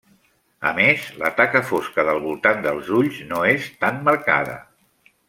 A més, la taca fosca del voltant dels ulls no és tan marcada.